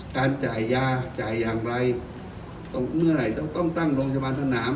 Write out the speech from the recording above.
การจ่ายยาจ่ายอย่างไรต้องเมื่อไหร่ต้องตั้งโรงชาบานสนาม